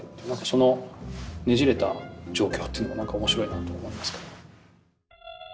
そのねじれた状況っていうのがなんか面白いなと思いますけど。